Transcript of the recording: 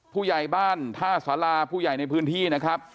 ผู้ใหญ่บ้านท่าสาราผู้ใหญ่ในพื้นที่นะครับ